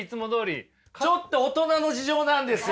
ちょっと大人の事情なんですよ。